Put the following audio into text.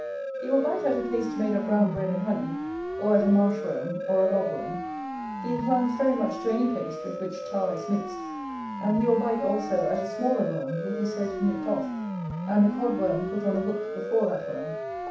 He will bite at a paste made of brown bread and honey, or at a marsh worm, or a lob worm; he inclines very much to any paste with which tar is mixt, and he will bite also at a smaller worm with his head nipped off, and a cod worm put on the hook before that worm.